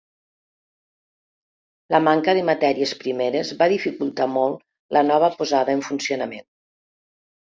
La manca de matèries primeres va dificultar molt la nova posada en funcionament.